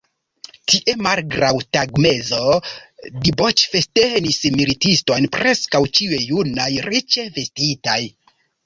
Tie, malgraŭ tagmezo, diboĉfestenis militistoj, preskaŭ ĉiuj junaj, riĉe vestitaj.